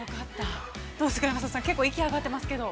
◆どうですか、山里さん、結構息上がってますけど。